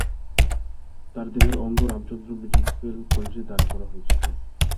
তাঁর দেহের অঙ্গ রামচন্দ্র মেডিকেল কলেজে দান করা হয়েছিল।